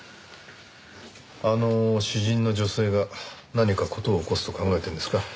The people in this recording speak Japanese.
あの詩人の女性が何か事を起こすと考えてるんですか？